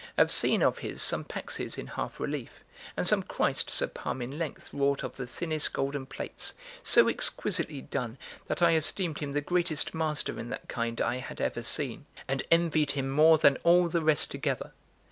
I have seen of his some paxes in half relief, and some Christs a palm in length wrought of the thinnest golden plates, so exquisitely done that I esteemed him the greatest master in that kind I had ever seen, and envied him more than all the rest together.